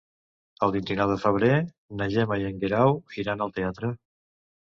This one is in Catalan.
El vint-i-nou de febrer na Gemma i en Guerau iran al teatre.